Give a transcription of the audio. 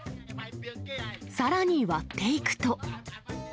さらに割っていくと。